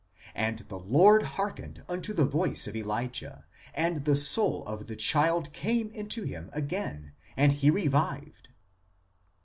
And the Lord hearkened unto the voice of Elijah ; and the soul of the child came into him again, and he revived."